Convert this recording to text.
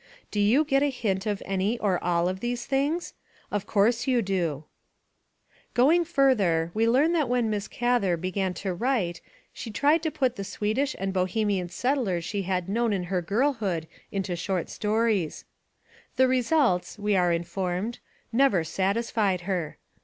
Do you get a hint of any or all of these things? Of course you do ! WILLA SIBERT GATHER 259 Going further we learn that when Miss Gather be gan to write she tried to put the Swedish and Bohe mian settlers she had known in her girlhood into her short stories. "The results," we are informed, "never satisfied /her."